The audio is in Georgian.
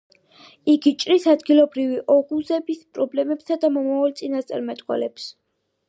იგი ჭრის ადგილობრივი ოღუზების პრობლემებსა და მომავალს წინასწარმეტყველებს.